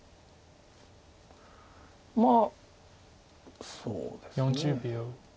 まあそうですね。